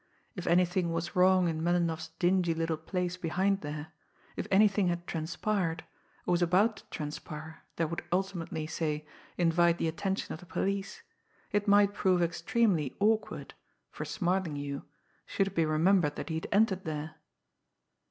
If anything was wrong in Melinoff's dingy little place behind there, if anything had transpired, or was about to transpire that would ultimately, say, invite the attention of the police, it might prove extremely awkward for Smarlinghue should it be remembered that he had entered there!